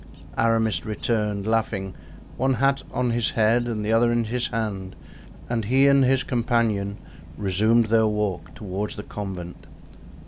Aramis returned, laughing, one hat on his head and the other in his hand; and he and his companion resumed their walk toward the convent.